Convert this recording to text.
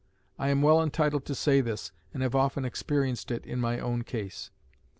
I am well entitled to say this, and have often experienced it in my own case.